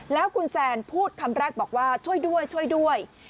แล้วคุณแซนพูดคำแรกบอกว่าช่วยด้วยช่วยด้วย